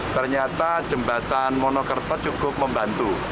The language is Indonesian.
ternyata jembatan monokerto cukup membantu